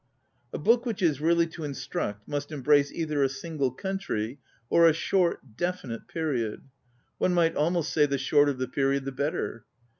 A book which is really to instruct must embrace either a single coun try, or a short, definite period. One might almost say the shorter the period, the better.